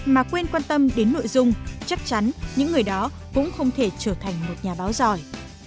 mà quên quan tâm đến nội dung chắc chắn những người đó cũng không thể trở thành một nhà báo giỏi